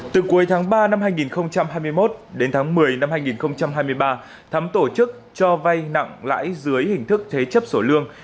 từ cuối tháng ba năm hai nghìn hai mươi một đến tháng một mươi năm hai nghìn hai mươi ba thắm tổ chức cho vay nặng lãi dưới hình thức thế chấp sổ lương